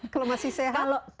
kalau masih sehat